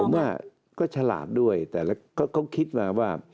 ผมว่าก็ฉลาดด้วยแต่เขาคิดมาว่า